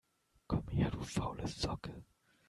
Komm her, du faule Socke!